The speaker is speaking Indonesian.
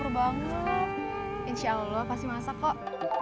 bang insya allah pasti masak kok